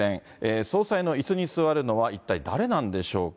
総裁のいすに座るのは、一体誰なんでしょうか。